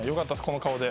この顔で。